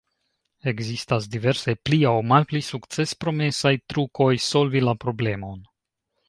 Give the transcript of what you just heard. Ekzistas diversaj pli aŭ malpli sukcespromesaj trukoj solvi la problemon.